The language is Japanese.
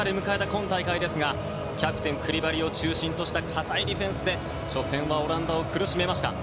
今大会ですがキャプテンのクリバリを中心とした堅いディフェンスでオランダを苦しめました。